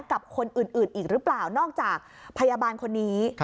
กับคนอื่นอีกหรือเปล่านอกจากพยาบาลคนนี้